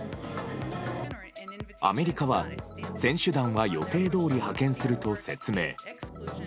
アメリカは、選手団は予定どおり派遣すると説明。